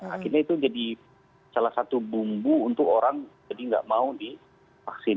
akhirnya itu jadi salah satu bumbu untuk orang jadi nggak mau divaksin